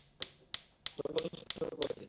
তোকে কত বার সর্তক করেছি?